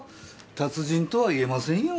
達人とは言えませんよ。